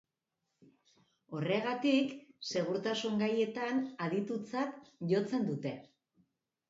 Horregatik, segurtasun gaietan aditutzat jotzen dute.